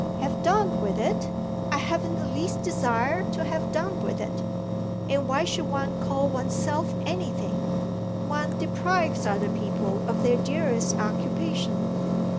"Have done with it? I haven't the least desire to have done with it. And why should one call one's self anything? One only deprives other people of their dearest occupation.